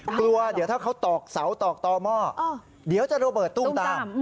กลัวเดี๋ยวถ้าเขาตอกเสาตอกต่อหม้อเดี๋ยวจะระเบิดตุ้มตาม